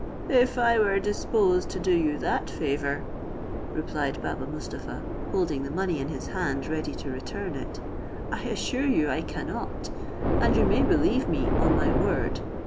"If I were disposed to do you that favour," replied Baba Mustapha, holding the money in his hand, ready to return it, "I assure you I cannot; and you may believe me, on my word.